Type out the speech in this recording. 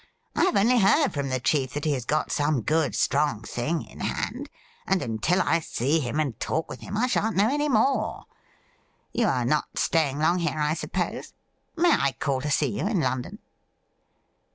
I have only heard from the chief that he has got some good, strong thing in hand, and until I see him and talk with him I shan't know anv more. You are not staying long here, I suppose ? May I call to see you in London